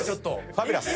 ファビラス。